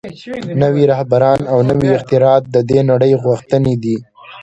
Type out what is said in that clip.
نوي رهبران او نوي اختراعات د دې نړۍ غوښتنې دي